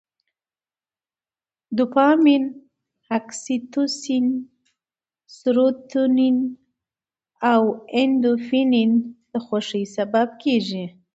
دوپامین، اکسي توسین، سروتونین او اندورفین د خوښۍ سبب کېږي.